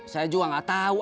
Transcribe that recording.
saya juga gak tahu